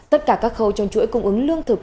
tất cả các khâu trong chuỗi cung ứng lương thực